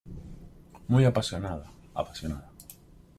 muy apasionada. apasionada .